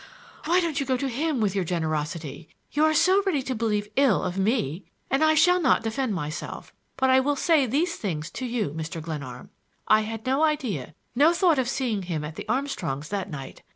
"Why don't you go to him with your generosity? You are so ready to believe ill of me! And I shall not defend myself; but I will say these things to you, Mr. Glenarm: I had no idea, no thought of seeing him at the Armstrongs' that night.